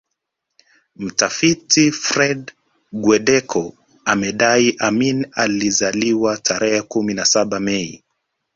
Mtafiti Fred Guweddeko amedai Amin alizaliwa tarehe kumi na saba Mei